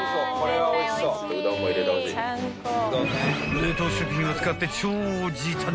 ［冷凍食品を使って超時短に］